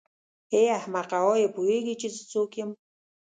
ای احمقه آیا پوهېږې چې زه څوک یم.